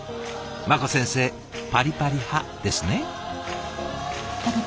茉子先生パリパリ派ですね。